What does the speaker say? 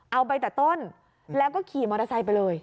เอาไปแต่ต้นแล้วก็ขี่มอเตอร์ไซค์ไปเลย